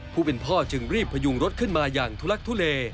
ผู้เป็นพ่อจึงรีบพยุงรถขึ้นมาอย่างทุลักทุเล